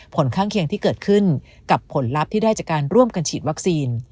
ผลข้างเคียงที่เกิดขึ้นกับผลลัพธ์ที่ได้จากการร่วมกันฉีดวัคซีน